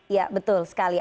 ya betul sekali